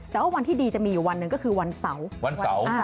แต่ว่าวันที่ดีจะมีอยู่วันหนึ่งก็คือวันเสาร์วันเสาร์